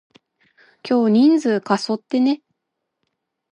今日人数過疎ってね？